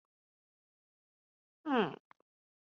县治贝尔蒙特村。